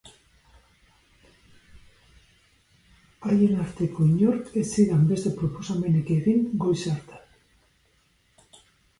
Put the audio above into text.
Haien arteko inork ez zidan beste proposamenik egin goiz hartan.